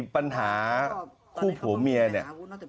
ปัญหาคู่ผัวเมียเนี่ย